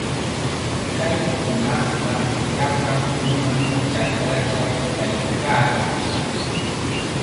Kay hunaqqa llapan nunam chakrachaw kaykaayan.